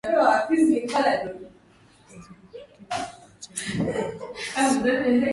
ya dawa za kulevyauzima lakini la kushangaza ni kuwa kiasi